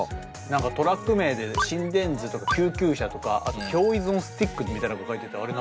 何かトラック名で心電図とか救急車とかあと共依存スティックみたいなこと書いててあれ